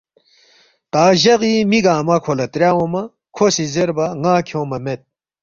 تا جغی می گنگمہ کھو لہ تریا اونگما کھو سی زیربا ”ن٘ا کھیونگما مید